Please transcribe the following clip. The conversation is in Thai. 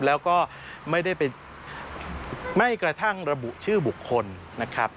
แล้วก็ไม่ได้ไปไม่กระทั่งระบุชื่อบุคคลนะครับ